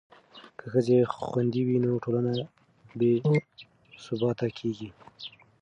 که ښځې خوندي وي نو ټولنه نه بې ثباته کیږي.